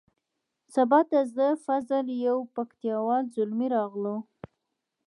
سبا ته زه فضل یو پکتیا وال زلمی راغلو.